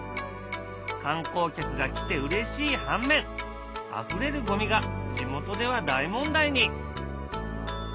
観光客が来てうれしい反面あふれるゴミが地元では大問題に。